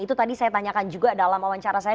itu tadi saya tanyakan juga dalam wawancara saya